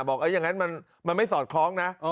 อย่างนั้นมันไม่สอดคล้องนะ